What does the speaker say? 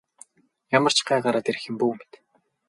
Ямар ч гай гараад ирэх юм бүү мэд.